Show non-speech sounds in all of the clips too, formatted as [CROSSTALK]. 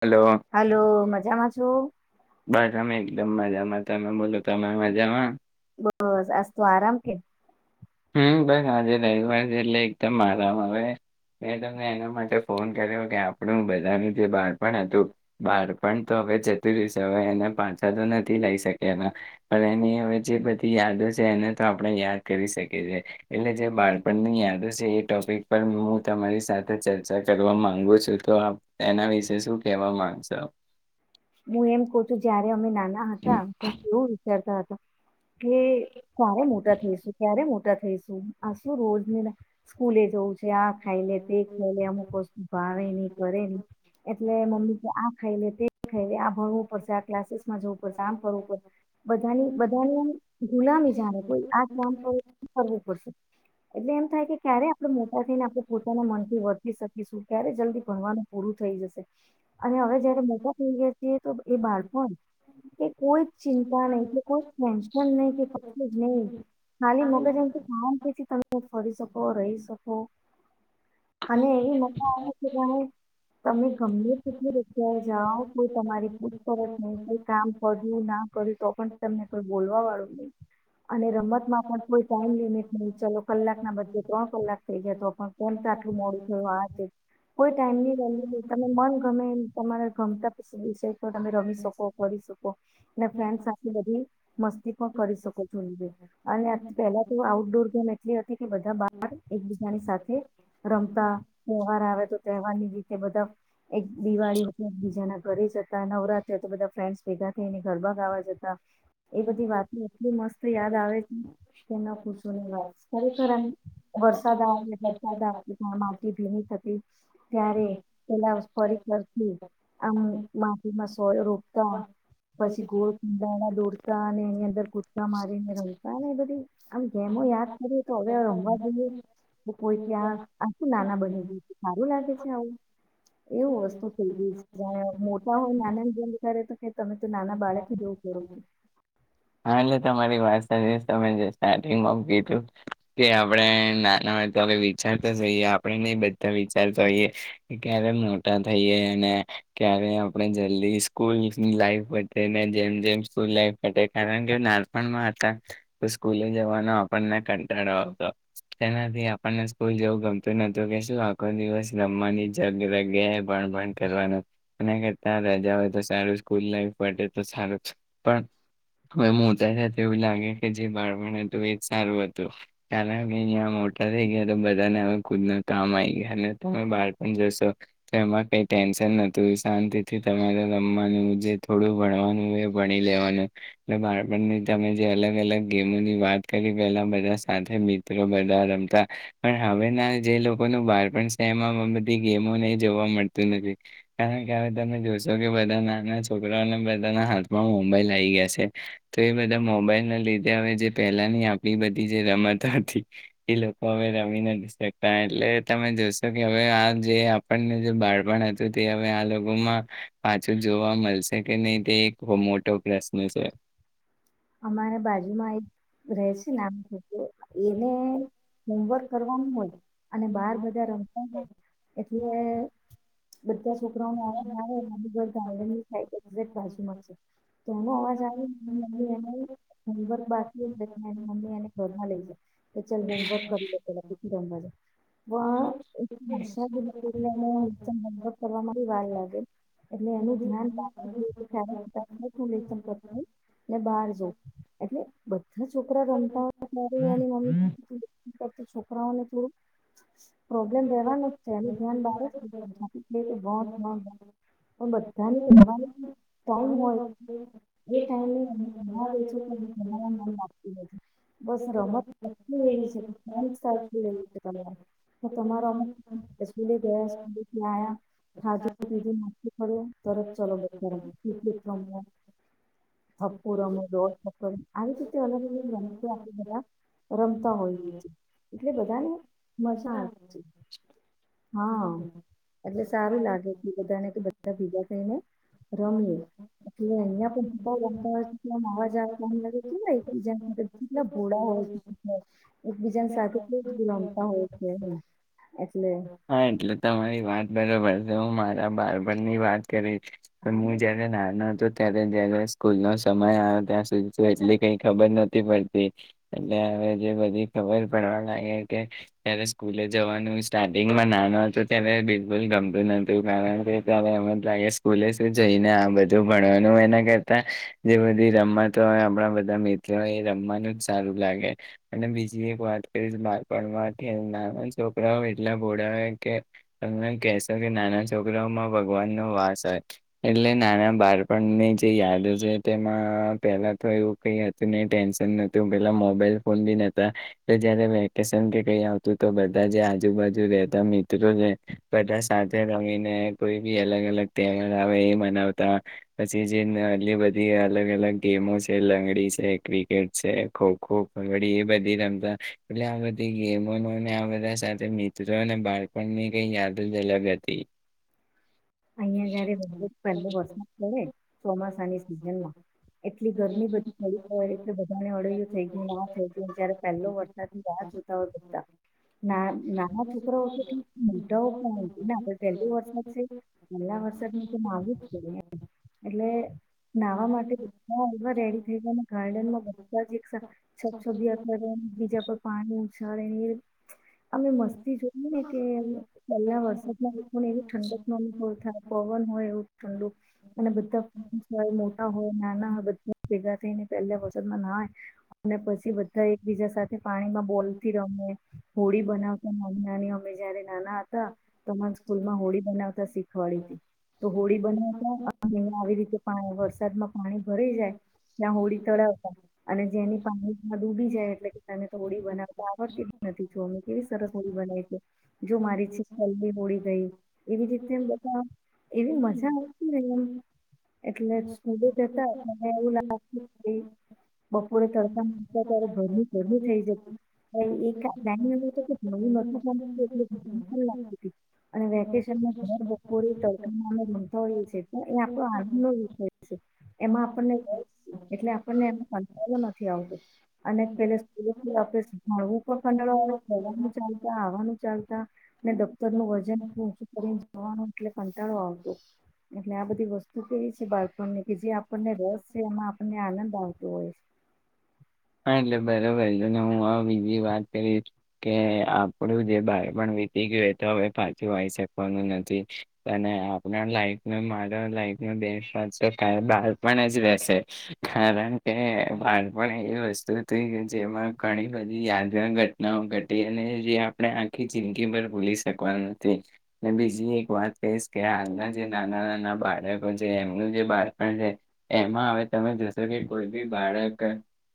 Hello hello મજામાં છું બસ અમે એકદમ મજામા તમે બોલો તમે મજામાં બસ આસ તો આરામ કે હમ બસ આજે રવિવાર છે એટલે એકદમ આરામ હવે મેં તમને એના માટે ફોન કર્યો કે આપણું બધાનું જે બાળપણ હતું બાળપણ તો હવે જતું રહેશે હવે એને પાછા તો નથી લઈ શક્યા એમાં પણ એની હવે જે બધી યાદો છે એને તો આપણે યાદ કરી શકીએ એટલે જે બાળપણની યાદ છે એ ટોપિક પર હું તમારી સાથે ચર્ચા કરવા માંગુ છું તો એના વિશે શું કેવા માંગશો હું એમ કહ છું જય્યારે અમે નાના હતા ત્યાર રે કેવુ [INAUDIBLE] કે કારે મોટા થઈસું ક્યારે મોટા થ થસુ આ શું રોજ ને સ્કૂલે જવું છે આ ખાઈલે તે ખાઈલે તે અમુક [INAUDIBLE] ભાવે ન કરે નય એટલે મમ્મી જે આ ખાઈ લે તે આ ભણવું પડશે આ ક્લાસીસમાં જવું પડશે આમ [UNINTELLIGIBLE] પડશે બધાની બધાની એમ ગુલામી જાણે કોઈ આ કામ કર કરવું પડશે એટલે એમ થાય કે ક્યારે આપણે મોટા થઈને આપણે પોતાના મનથી વર્તી શકીશું ક્યારે જલ્દી ભણવાનું પૂરું થઈ જશે અને હવે જયારે થઈ ગયા છી તો એ બાળપણ એ કોઈ ચિંતા નહી કે કોઈ ટેન્શન નહી કે નહી ખાલી મગજ કે કામ કેથી તમે ફરી શકો રહી શકો અને એવી મજા આવે કે જાણે તમે ગમભીર કેટલી [UNINTELLIGIBLE] જાઓ કોઈ તમારી પૂછપરછ નહી કોઈ કામ કર્યું ના કર્યું તો પણ તમને કોઈ બોલવા વાળું નહી અને રમતમાં પણ કોઈ ટાઈમ લિમિટ નહી ચલો કલાક ના બધે ત્રણ કલાક થઈ ગયા તો પણ કોન આટલું મોડું થયું આ છે કોઈ ટાઈમ ની વેલ્યુ નહી તમે મન ગમે એ તમારા રમતા વિષય પણ તમે રમી શકો કરી શકો ફ્રેન્ડ સાથે બધી મસ્તી પણ કરી શકો જો અને પહેલા તો આઉટડોર ગેમ એટલી હતી કે બધા બાર એકબીજાની સાથે રમતા તહેવાર આવે તો તહેવારની રીતે બધા એક દિવાળી બીજાના ઘરે જતા નવરાત્રે તો બધા ફ્રેન્ડસ ભેગા થઈને ગરબા ગાવા જતા એ બધી વાતો એટલી મસ્ત યાદ આવે છે કે ના પૂછું ને વાત ખરેખર આમ વરસાદ આવે વરસાદતી્યા માટી ભીની થતી ત્યારે પેલા પર પરરથી આમ માટીમાં સો રોપતા પછી ગોળ કંદાડા દોરતા અને એની અંદર કુદકા મારીને રમતા ને એ બધુ આમ ગેમો યાદ કરી તો હવે રમવા દઈએ કોઈ ક્યાં આ શું નાના બની ગયી છુ સારું લાગે છે આવું એવું વસ્તુ થઈ ગઈ છે જ મોટા હોય નાના ને જેમ કરે તો કે તમે તો નાના બાળક જેવું કરો છો હા એટલે [UNINTELLIGIBLE] [UNINTELLIGIBLE] આપણે નાનામાંય તો હ વિચારતા જ હોઈએ આપણે નને બધા વિચારતા હોઈએ ક્યારે મોટા થઈએ અને ક્યારે આપણે જલ્દી સ્કૂલ લાઈફ પતાઈને જેમ જેમ સ્કૂલ લાઈફટે કારણ કે નાનપણમાં હતા સ્કૂલે જવાનો આપણને કંટાળો આવતો તેનાથી આપણને સ્કૂલ જેવું ગમતું નતું કે શું આખો દિવસ રમવાની જગયા ભણ ભણ કરવાનું અને કરતા રજા હોય તો સારું સ્કૂલ લાઈફ તો સારું પણ હવે મોતા તો એવું લાગે કે જે બાળપણ હતું એ જ સારું હતું [UNINTELLIGIBLE] અહીંયા મોટા થઈ ગયા તો બધાને હવે ખુદના કામ આવી ગયા અને તમે બાળપણ જશો તો એમાં કઈ ટેન્શન નતું શાંતિથી તમારે રમવાનું જે થોડું ભણવાનું એ ભણી લેવાનું એટલે બાળપણની તમે જે અલગ અલગ ગેમોની વાત કરી પેલા બધા સાથે મિત્રો બધા રમતા પણ હવેના જે લોકોનું બાળપણ શહેરમાં બધી ગેમોને જોવા મળતું નથી કારણ કે હવે તમે જોશો કે બધા નાના છોકરાઓને બધાના હાથમાં મોબાઈલ આવી ગયા છે તો એ બધા મોબાઈલ ના લીધે હવે જે પહેલાની આપણી બધી જે રમત હતી એ લોકો હવે રમી નથી શકતા એટલે તમે જોશો કે હવે આ જે આપણને જે બાળપણ હતું તે હવે આ લોકોમાં પાછું જોવા મળશે કે નહી તે એક મોટો પ્રશ્ન છે. અમારે બાજુ માં એક રહે છે ને આ છોક એને હોમવર્ક કરવાનું હોય અને બાર બધા રમતા હોય એટલે બધા છોકરાઓ ન અવાજ આવે તો એનો અવાજ આવે હોમવર્ક બાકી મમ્મી એને ઘરમાં લઈ જાય કે ચલ હોમવર્ક કરી લે પેલા રમવા જ પણર્ષ વા લાગે એટલે [UNINTELLIGIBLE] જો એટલે બધા છોકરા રમતા હોય ત્યારે એની મમ્મી તો તો છોકરાઓને થોડુંક પ્રોબ્લેમ રહેવાનું જ છે એનું ધ્યાન [UNINTELLIGIBLE] બધાને [UNINTELLIGIBLE] હોય એ ટાઈમે એને [INAUDIBLE] નથી પાછી રમત [UNINTELLIGIBLE] તો તમારા અમુક સ્કૂલે ગયા હશે તો ત્યાં આયા ખાધું પીધું મસ્તી કરીએ તરત ચલો રમીએ ક્રિકેટ રમીએ [UNINTELLIGIBLE] [UNINTELLIGIBLE] દોડ દક કરીએ આવી રીતે અલગ અલગ રમતો આપણે બધા રમતા હોઈએ છીએ એટલે બધાને મજા આવે છે હા એટલે સારું લાગે કે બધાને કે બધા ભેગા થઈને રમીએ એટલે અહીંયા પણ બધા રમતા હોય કે આમ અવાજ આમ લાગે કેવા એકબીજા સાથે કેટલા ભોળા હોય છે એકબીજા સાથે ને રમતા હોય છે એમ એટલે. હા એટલે તમારી વાત બરોબર છે હું મારા બારપણની વાત કરી પણ હું જ્યારે નાનો હતો ત્યારે જયારે સ્કૂલનો સમય આયો ત્યાં સુધી તો એટલી કઈ ખબર નથી પડતી એટલે હવે જે બધી ખબર પડવા લાગે કે ત્યારે સ્કૂલે જવાનું સ્ટાર્ટિંગમાં ના નાનો હતો ત્યારે બિલકુલ ગમતું નતું કારણ કે ત્યારે એમ [UNINTELLIGIBLE] સ્કૂલે શે જઈને આ બધું ભણવાનું એના કરતા જે બધી રમતો હોય આપણા બધા મિત્રો એ રમવાનું જ સારું લાગે અને બીજી એક વાત કરીશ બાળપણમાંથી નાના છોકરાઓ એટલા ભોળા હોય. કે તમે કહેશો કે નાના છોકરાઓમાં ભગવાનનો વાસ હોય એટલે નાના બાળપણની જે યાદો છે તેમાં પેલા તો એવું કઈ હતું નહીં ટેન્શન નતું પેલા મોબાઈલ ફોન બી નતા એ જયારે વેકેશન કે કઈ આવતું તો બધા જે આજુબાજુ રહેતા મી મિત્રો છે બધા સાથે રમીને કોઈ બી અલગ અલગ તહેવાર આવે એ મનાવતા પછી જેટલી બધી અલગ અલગ ગેમો છે લંગડી છે, ક્રિકેટ છે, ખો ખો, કબડ્ડી એ બધી રમતા એટલે આ બધી ગેમો આ બધા સાથે મિત્રોને બાળ પણની કઈ યાદ જ અલગ હતી. અહિયાં જયારે પહેલો વરસાદ પડે ચોમાસાની સિઝનમાં એટલી ગરમી બધી પડી હોય એટલે બધાને અડયું થઈ ગયું ના થઈ ગયું જયારે પહેલો વરસાદ રાહની જોતા હોય બધા ના નાના છોકરાઓ તો ઠીક [UNINTELLIGIBLE] તો એટલે આપણે પેલું વરસાદ છે. પેલા વરસાદમાં તો નાવું જ પડે એમ એટલે નાહવા માટે બધા એવા રેડી થઈ જાય ને ગાર્ડન માં બધા જ એક સાથ છબછબિયા કરે ને બીજા પર પાણી ઉછાળે એમ અમે મસ્તી જોય ને કે પહેલા વરસાદમાં લોકોને એવી ઠંડક બો થાય પવન હોય એવું ઠંડુ અને બધા હોય મોટા હોય નાના હોય બધા ભેગા થઇ ને એની પહેલા વરસાદમાં નાય અને પછી બધા એકબીજા સાથે પાણીમાં બોલ થી રમે હોળી બનાવતા નાની નાની અમે જ્યારે નાના હતા તો અમારા સ્કૂલમાં હોળી બનાવ શીખવાડીતી તો હોળી બનાવતા આવી રીતે પાણી વરસાદમાં પાણી ભરાઈ જાય ત્યાં હોળી તળાવતા અને જેની પાણીમાં ડૂબી જાય એટલે કે તને તો હોળી બનાવતા આવડતી જ નથી જો આને કેવી સરસ હોળી બનાવી છે. શીતલની હોળી ગઈ એવી રીતે જે બધા એવી મજા આવતી ને એમ એટલે સ્કૂલે જતા મને એવું લાગતું બપોરે તડકામાં ત્યારે ગરમી ગરમી થઈ જતી ગતી [UNINTELLIGIBLE] અને વેકેશન ભર બપોરે તડકામાં અમે [UNINTELLIGIBLE] તો ઈ છે તો એ આપણો આજ નો વિષય છે. એમાં આપણને એટલે આપણને એમાં કંટાળો નથી આવતો અને પેલે તો સ્કૂલે તો આપણે ભણવું પણ કંટાળો આવે જવાનું ચાલતા આવવાનું ચાલતા ને દફતર નું વજન ઓછું કરીને થવાનો એટલે કંટાળો આવતો એટલે આ બધી વસ્તુ કેવી છે. કે બાળપણને કે જે આપણને રસ છે એમાં આપણને આનંદ આવતો હોય. હા એટલે બરાબર. અને હું અ બીજી વાત કરીશ કે આપણું જે બાળપણ વીતી ગયું એ તો હવે પાછું આઈ શકવાનું નથી. અને આપના લાઈફન મારા લાઈફના બે [UNINTELLIGIBLE] બાળપણ જ રહેશે કારણ કે બાળપણ એવી વસ્તુ છે કે જેમાં ઘણી બધી યાદગાર ઘટનાઓ ઘટી અને જે આપણે આખી જિંદગી ભર ભૂલી શકવાના નથી અને બીજી એક વાત કહીશ કે હાલના જે નાના નાના બાળકો છે એમનું જે બાળપણ છે એમાં હવે તમે જોશો કે કોઈ બી બાળક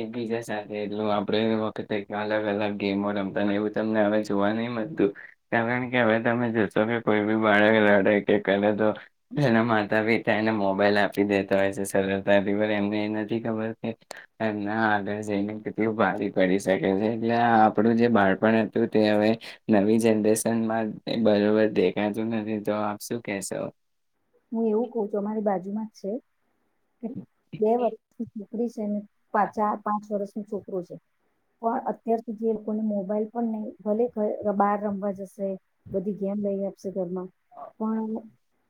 એકબીજા સાથે એટલું આપડે વખતે અલગ અલગ ગેમો રમતાને એવું તમને હવે જોવા નહી મળતું કારણ કે હવે તમે જોશો કે કોઈ બી બાળક લડે કે કરે તો એના માતા પિતા એને મોબાઈલ આપી દેતા હોય છે સરળતાથી પણ એમને એ નથી ખબર કે ના આગળ જઈને કેટલું ભારી પડી શકે છે એટલે આપડુ જે બાળપણ હતું તે હવે નવી જનરેશનમાં બરોબર દેખાતું નથી તો આપ શું કેશો હું એવું કઉ છું અમારી બાજુમાં જ છે બે વ [INAUDIBLE] છોકરી છે ને પા ચાર પાંચ વર્ષ નો છોકરો છે પણ અત્યાર સુધી જે લોકોને મોબાઈલ પણ નહી ભલે બહાર રમવા જશે બધી ગેમ લઈ આપશે ઘરમાં પણ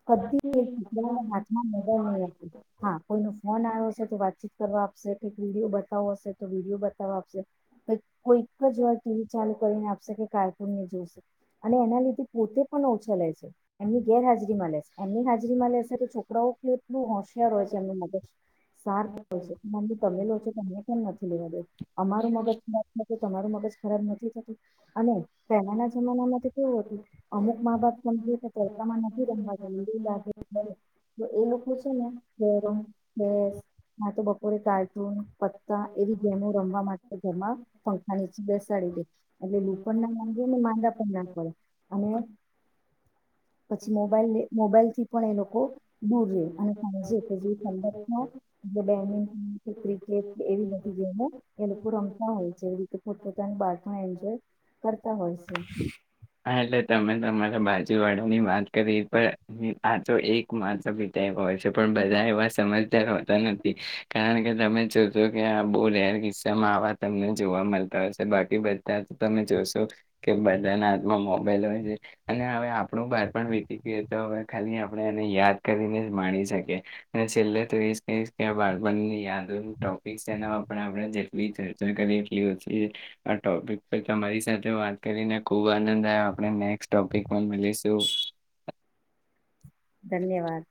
કદી ના હાથમાં મદલ નહીં આપે હા કોઈ ફોન આયો હશે તો વાતચીત કરવા આપશે કઈક વિડીયો બતાવો હશે તો વિડીયો બતાવવા આપશે કઈક કોઈક જ વાર ટીવી ચાલુ કરીને આપશે કે કાર્ટુનને એ જોશે અને એના લીધે પોતે પણ ઓછો લે છે એમની ગેરહાજરીમાં લેશે એમની હાજરીમાં લેશે તો છોકરાઓ ક બહુ હોશિયાર હોય છે એમનું મગજ સાર્ક હોય છે મમ તમે લો છો તો એને પણમ નથી લેવા દે અમારું મગજ તમારું મગજ ખરાબ નથી થતું અને પહેલાના જમાના માં તો કેવું હતું અમુક માં બાપ [UNINTELLIGIBLE] તમાર નથી [INAUDIBLE] તો એ લોકો છે ને ગમસ ના તો બપોરે કાર્ટૂન પત્તા એવી ગેમો રમવા માટે ઘરમાં પંખા નીચે બેસાડી દે એટલે લું પણ ના માંગે માંદા પણ ના પડે અને પછી મોબાઈલ મોબાઈલ થી પણ એ લોકો દૂર રે અને સાંજે પછી ઠંડકમાં ક્રિકેટ એવી બધી ગેમો એ લોકો રમતા હોય છે જેવી રીતે પોતપતાનું બાળપણ એન્જોય કરતા હોય છે હા એટલે તમે તમારા બાજુ વાળા ની વાત કરી પણ આ તો એક માતા પિતા એય હોય છે પણ બધા એવા સમજ જદાર હોતા નથી કારણ કે તમે જોશો કે આ બઉ રેર કિસ્સામાં આવા તમને જોવા મલતા હશે બાકી બધા તમે જોશો કે બધાના મા મોબાઈલ હોય છે અને હવે આપણું બાળપણ વીતી ગય તો હવે ખાલી આપણે એને યાદ કરીને જ માણી શકીએ અને છેલ્લે તો એ જ કહીશ કે આ બાળપણની યાદોનું ટોપિક છે એના આપણે જેટલી ચર્ચા કરીએ એટલી ઓછી આ ટોપિક તમારી સાથે વાત કરીને ખુબ આનંદ આયો આપણે નેક્સટ ટોપિકમાં મલીશું ધન્યવાદ